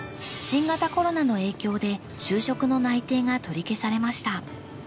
新型コロナの影響で就職の内定が取り消されました。